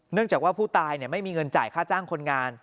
เนื่องจากว่าผู้ตายเนี่ยไม่มีเงินจ่ายค่าจ้างคนงาน